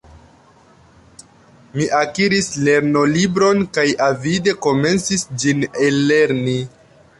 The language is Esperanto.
Mi akiris lernolibron kaj avide komencis ĝin ellerni.